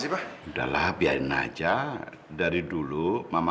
sudahlah biarkan saja